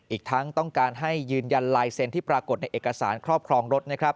อีกทั้งต้องการให้ยืนยันลายเซ็นต์ที่ปรากฏในเอกสารครอบครองรถนะครับ